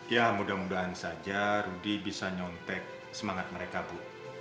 ya mudah mudahan saja rudy bisa nyontek semangat mereka bu